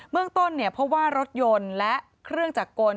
เมืองต้นเพราะว่ารถยนต์และเครื่องจักรกล